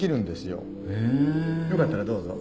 よかったらどうぞ。